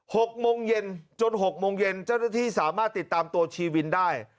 หกโมงเย็นจนหกโมงเย็นเจ้าหน้าที่สามารถติดตามตัวชีวินได้